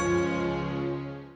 sampai jumpa lagi